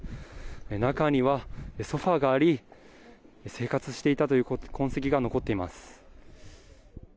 中にはソファがあり生活していたという痕跡が残っています。